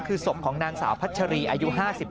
คือศพของนางสาวพัชรีอายุ๕๓